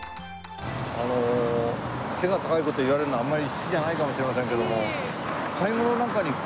あの背が高い事言われるのあんまり好きじゃないかもしれませんけども。